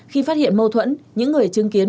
khi phát hiện mâu thuẫn những người chứng kiến